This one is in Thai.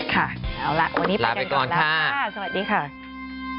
ค่ะเอาล่ะวันนี้ไปกันก่อนแล้วค่ะสวัสดีค่ะลาไปก่อนค่ะ